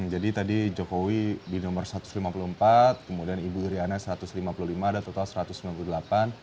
jadi tadi jokowi di nomor satu ratus lima puluh empat kemudian ibu iryana satu ratus lima puluh lima ada total satu ratus sembilan puluh delapan